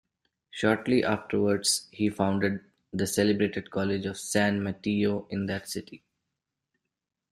Shortly afterwards he founded the celebrated college of San Mateo in that city.